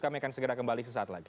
kami akan segera kembali sesaat lagi